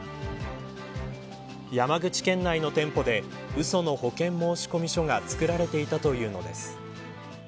山口県内の店舗でうその保険申込書が作られていたというのです。